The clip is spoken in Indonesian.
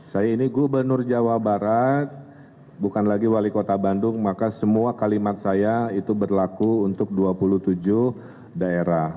saya ini gubernur jawa barat bukan lagi wali kota bandung maka semua kalimat saya itu berlaku untuk dua puluh tujuh daerah